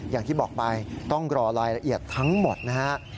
อย่างที่บอกไปต้องรอรายละเอียดทั้งหมดนะฮะ